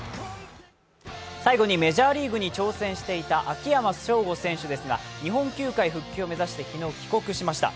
最後にメジャーリーグに挑戦していた秋山翔吾選手ですが、日本球界復帰を目指して昨日、帰国しました。